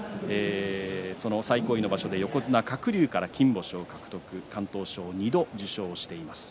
最高位の場所で横綱鶴竜から金星を獲得し敢闘賞を２度獲得しています。